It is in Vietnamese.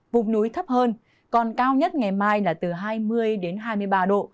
vùng núi thấp hơn còn cao nhất ngày mai là từ hai mươi đến hai mươi ba độ